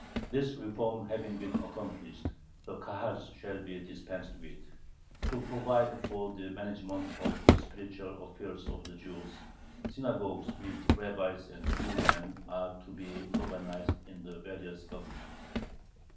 This reform having been accomplished, the Kahals shall be dispensed with. To provide for the management of the spiritual affairs of the Jews, "synagogues," with rabbis and "schoolmen," are to be organized in the various Governments.